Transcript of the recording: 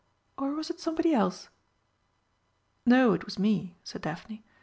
Or was it somebody else?" "No, it was me," said Daphne.